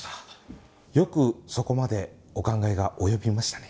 よくそこまでお考えが及びましたね。